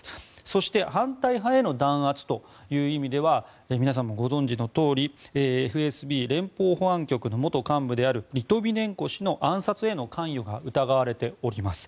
そして反対派への弾圧という意味では皆さんもご存じのとおりＦＳＢ・連邦保安局の元幹部であるリトビネンコ氏の暗殺への関与が疑われております。